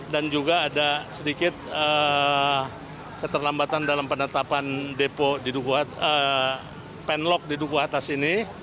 dan juga ada sedikit keterlambatan dalam penetapan depo penlok di duku atas ini